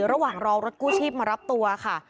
ระหว่างรอรถกู้ชีพมารับตัวค่ะ